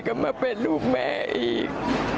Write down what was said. ก็มาเป็นลูกแม่อีก